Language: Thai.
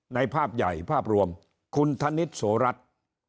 ภาพใหญ่ภาพรวมคุณธนิษฐโสรัตน์